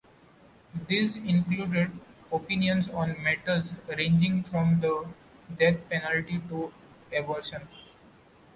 These included opinions on matters ranging from the death penalty to abortion.